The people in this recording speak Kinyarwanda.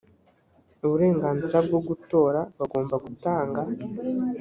uburenganzira bwo gutora bagomba gutanga